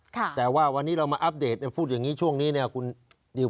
แต่ว่าวันนี้เรามาอัปเดตพูดอย่างนี้ช่วงนี้เนี่ยคุณนิว